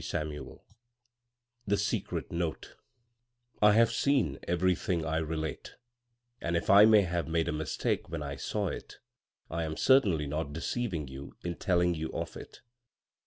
CHAPTER LI THE SECRET NOTE I have seen everything I relate, and if I may have made a mistake when I saw it, I am certainly not de ceiving you in telling you of it.